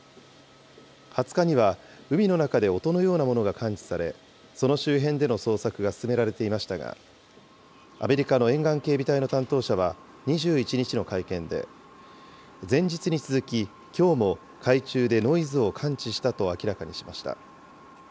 ２０日には、海の中で音のようなものが感知され、その周辺での捜索が進められていましたが、アメリカの沿岸警備隊の担当者は２１日の会見で、前日に続ききょうも海中でノイズを感知したと明らかにしました。